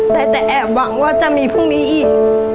แต่แอบหวังว่าจะมีพรุ่งนี้อีก